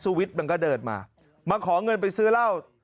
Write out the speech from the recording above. วิทย์มันก็เดินมามาขอเงินไปซื้อเหล้า